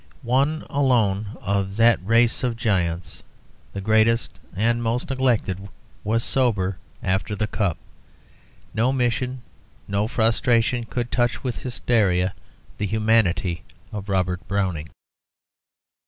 One alone of that race of giants, the greatest and most neglected, was sober after the cup. No mission, no frustration could touch with hysteria the humanity of Robert Browning.